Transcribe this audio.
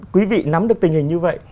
quý vị nắm được tình hình như vậy